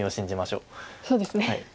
そうですね。